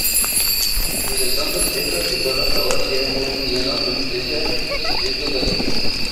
Desde entonces, estas pistolas ahora tienen mucho menos resistencia en su gatillo.